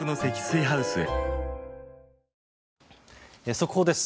速報です。